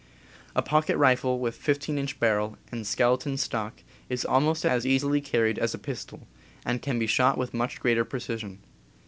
A pocket rifle with 15 inch barrel and skeleton stock is almost as easily car ried as a pistol, and can be shot with much greater precision.